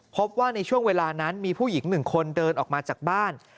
พบว่าในช่วงเวลานั้นมีผู้หญิง๑คนเดินออกมาจากบ้าน